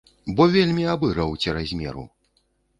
Бо вельмі абыраў цераз меру.